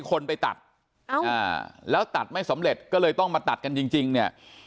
คนไปตัดแล้วตัดไม่สำเร็จก็เลยต้องมาตัดกันจริงเนี่ย